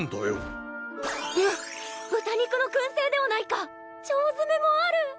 豚肉の燻製ではないか腸詰めもある！